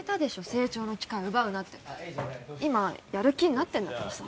成長の機会を奪うなって今やる気になってんだからさ